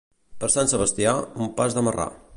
Per Sant Sebastià, un pas de marrà.